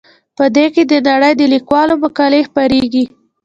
په دې کې د نړۍ د لیکوالو مقالې خپریږي.